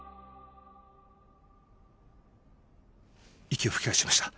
息を吹き返しました。